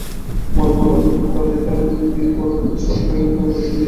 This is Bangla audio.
মনে হল, অন্য কবির দরজায় ঠেলাঠেলি ভিড়, বড়োলোকের শ্রাদ্ধে কাঙালি-বিদায়ের মতো।